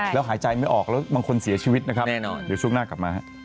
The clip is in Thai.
แล้วหายใจไม่ออกแล้วบางคนเสียชีวิตนะครับ